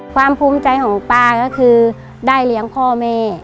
ภูมิใจของป้าก็คือได้เลี้ยงพ่อแม่